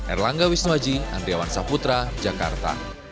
erlangga wisnuaji andriawan saputra jakarta